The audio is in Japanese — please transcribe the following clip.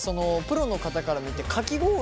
プロの方から見てかき氷